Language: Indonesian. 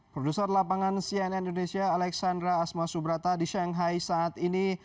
produser lapangan cnn indonesia alexandra asma subrata di shanghai saat ini